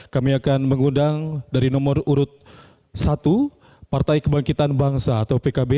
kami akan mengundang dari nomor urut satu partai kebangkitan bangsa atau pkb